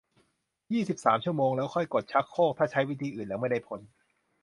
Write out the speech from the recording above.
ยี่สิบสาม ชั่วโมง แล้วค่อยกดชักโครก ถ้าใช้วิธีอื่นแล้วไม่ได้ผล